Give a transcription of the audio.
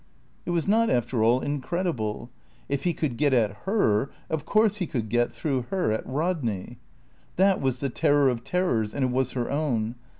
It was not, after all, incredible. If he could get at her, of course he could get, through her, at Rodney. That was the Terror of terrors, and it was her own.